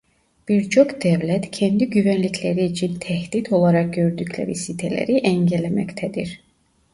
Birçok devlet kendi güvenlikleri için tehdit olarak gördükleri siteleri engellemektedir.